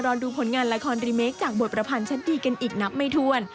รอดูผลงานละครรีเมคจากบทประพันธ์ชั้นดีกันอีกนับไม่ถ้วน